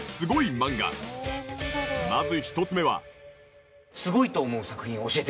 まず１つ目は。